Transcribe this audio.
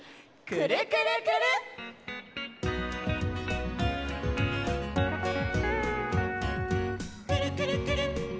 「くるくるくるっくるくるくるっ」